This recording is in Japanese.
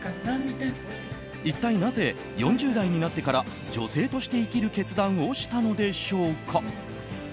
一体なぜ、４０代になってから女性として生きる決断をしたのでしょうか。